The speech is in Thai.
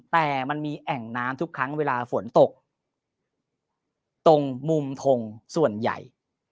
แต่มันมีแอ่งน้ำทุกครั้งเวลาฝนตกตรงมุมทงส่วนใหญ่